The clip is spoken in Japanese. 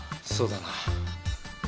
そうだな。